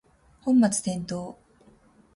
本末転倒